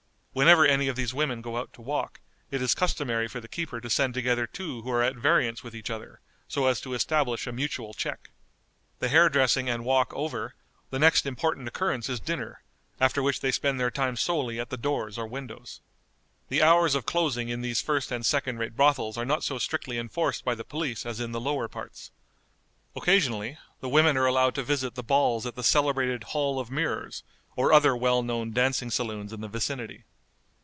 Whenever any of these women go out to walk, it is customary for the keeper to send together two who are at variance with each other, so as to establish a mutual check. The hair dressing and walk over, the next important occurrence is dinner, after which they spend their time solely at the doors or windows. The hours of closing in these first and second rate brothels are not so strictly enforced by the police as in the lower parts. Occasionally the women are allowed to visit the balls at the celebrated Hall of Mirrors, or other well known dancing saloons in the vicinity.